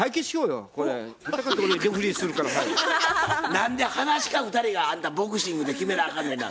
何ではなし家２人がボクシングで決めなあかんねんな。